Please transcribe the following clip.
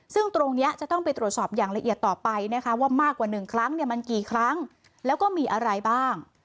ซึ่งตรงนี้จะต้องไปตรวจสอบอย่างละเอียดต่อไปนะคะว่ามากกว่า๑ครั้งมันกี่ครั้งแล้วก็มีอะไรบ้าง